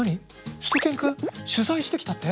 しゅと犬くん取材してきたって？